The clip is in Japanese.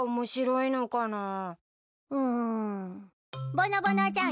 ぼのぼのちゃん